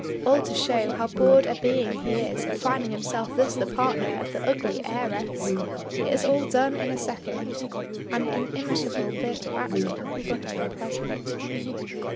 All to show now bored a being he is at finding himself thus the partner of the ugly heiress! It is all done in a second. An inimitable bit of acting but unpleasant.